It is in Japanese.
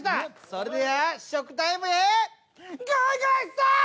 それでは試食タイムへゴイゴイスー！